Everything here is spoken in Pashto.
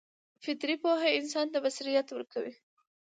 فطري پوهه انسان ته بصیرت ورکوي.